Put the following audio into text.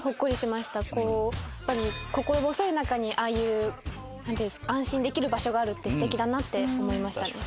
やっぱり心細い中にああいう安心できる場所があるってすてきだなって思いました。